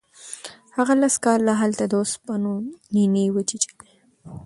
هغه لس کاله هلته د اوسپنو نینې وچیچلې.